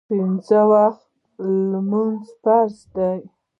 پنځه وخته لمونځ فرض ده